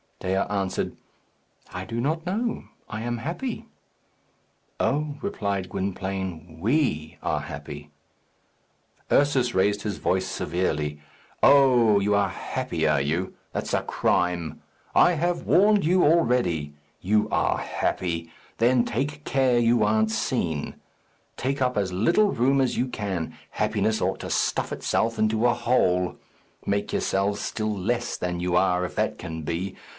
Dea answered, "I do not know. I am happy." "Oh," replied Gwynplaine, "we are happy." Ursus raised his voice severely, "Oh, you are happy, are you? That's a crime. I have warned you already. You are happy! Then take care you aren't seen. Take up as little room as you can. Happiness ought to stuff itself into a hole. Make yourselves still less than you are, if that can be.